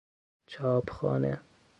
چاپخانه